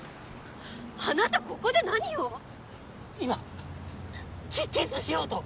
あなたここで何を⁉今キキスしようと！